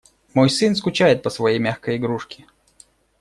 Мой сын скучает по своей мягкой игрушке.